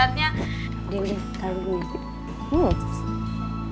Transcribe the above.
aku nanti taruh di sini